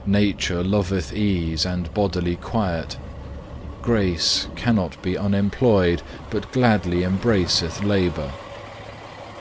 7. "Nature loveth ease and bodily quiet; Grace cannot be unemployed, but gladly embraceth labour.